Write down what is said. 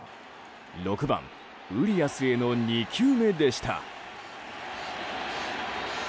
６番ウリアスへの２球目でした。